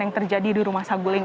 yang terjadi di rumah saguling